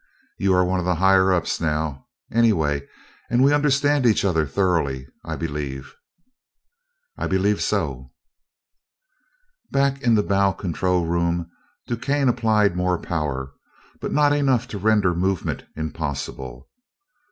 You are one of the higher ups now, anyway: and we understand each other thoroughly, I believe?" "I believe so." Back in the bow control room DuQuesne applied more power, but not enough to render movement impossible.